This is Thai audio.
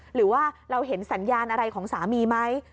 หรือว่าเราเห็นสัญญาณอะไรของสามีไหม